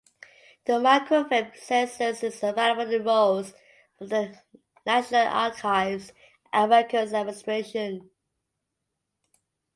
The microfilmed census is available in rolls from the National Archives and Records Administration.